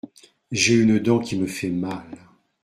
J’ai une dent qui me fait mal.